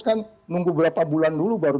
kan nunggu berapa bulan dulu baru